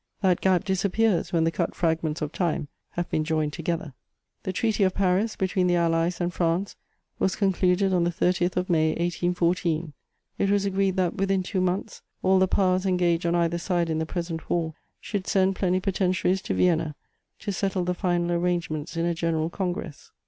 That gap disappears when the cut fragments of time have been joined together. The Treaty of Paris, between the Allies and France, was concluded on the 30th of May 1814. It was agreed that, within two months, all the Powers engaged on either side in the present war should send plenipotentiaries to Vienna to settle the final arrangements in a general congress.